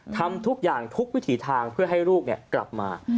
ทำทุกอย่างทุกวิถีทางเพื่อให้ลูกกลับมา